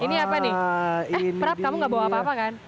ini apa nih eh prab kamu gak bawa apa apa kan